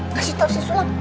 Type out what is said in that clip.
eh kasih tau si sulam